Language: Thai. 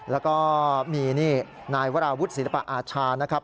แล้วก็มีนี่นายวราวุฒิศิลปะอาชานะครับ